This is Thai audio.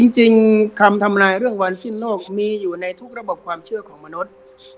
จริงคำทำลายเรื่องวันสิ้นโลกมีอยู่ในทุกระบบความเชื่อของมนุษย์